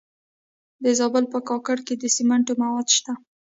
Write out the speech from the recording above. د زابل په کاکړ کې د سمنټو مواد شته.